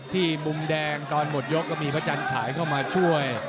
มุมแดงตอนหมดยกก็มีพระจันฉายเข้ามาช่วย